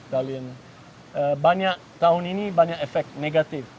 tahun ini banyak efek negatif